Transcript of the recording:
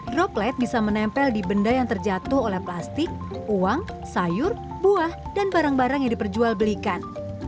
droplet bisa menempel di benda yang terjatuh oleh plastik uang sayur buah dan barang barang yang diperjual belikan